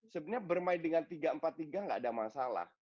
sebenarnya bermain dengan tiga empat tiga tidak ada masalah